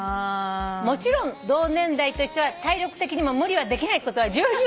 「もちろん同年代としては体力的にも無理はできないことは重々承知です」